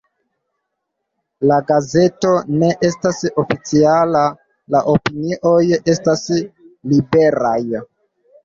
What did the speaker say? La gazeto ne estas oficiala, la opinioj estas liberaj.